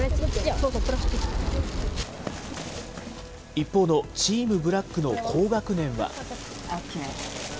一方のチームブラックの高学年は。